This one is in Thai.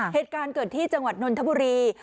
เหตุการณ์เกิดที่จังหวัดนนทบุรี